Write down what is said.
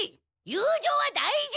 友情は大事！